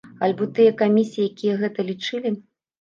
Альбо тыя камісіі, якія гэта лічылі?